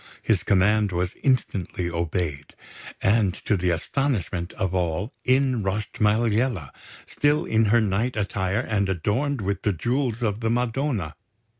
His command was instantly obeyed; and, to the astonishment of all, in rushed Maliella, still in her night attire and adorned with the Jewels of the Madonna.